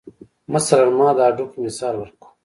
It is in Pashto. مثلاً ما د هډوکو مثال ورکو.